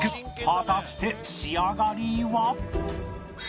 果たして仕上がりは？